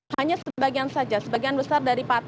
hanya sebagian saja